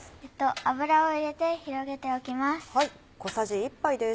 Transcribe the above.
油を入れて広げておきます。